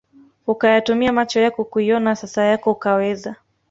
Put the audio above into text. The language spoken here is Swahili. ukayatumia macho yako kuiona sasa yako ukaweza